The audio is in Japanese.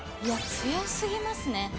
いや強すぎますね。